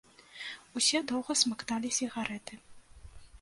Усе доўга смакталі сігарэты.